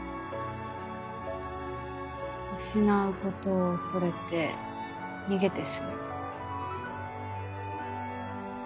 失うことを恐れて逃げてしまう。